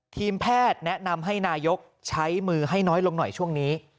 ทีมแพทย์แนะนำให้นายกใช้มือให้น้อยลงหน่อยช่วงนี้